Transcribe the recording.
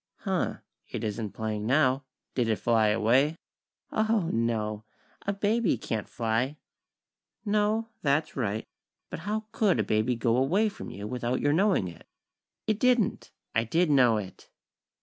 "Huh, it isn't playing now. Did it fly away?" "Oho! No! A baby can't fly!" "No. That's right. But how could a baby go away from you without your knowing it?" "It didn't. I did know it."